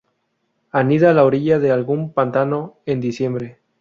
Anida a la orilla de algún pantano, en diciembre.